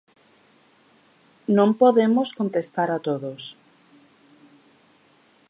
Non podemos contestar a todos.